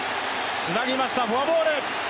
つなぎましたフォアボール。